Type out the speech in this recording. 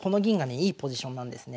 いいポジションなんですね。